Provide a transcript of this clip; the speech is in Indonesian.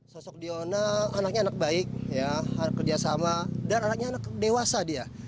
sosok diona anaknya anak baik kerja sama dan anaknya dewasa dia